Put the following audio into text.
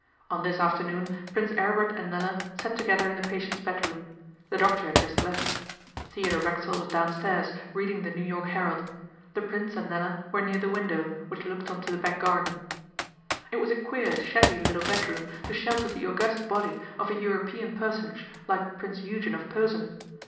On this afternoon Prince Aribert and Nella sat together in the patient's bedroom. The doctor had just left. Theodore Racksole was downstairs reading the New York Herald. The Prince and Nella were near the window, which looked on to the back garden. It was a queer shabby little bedroom to shelter the august body of a European personage like Prince Eugen of Posen.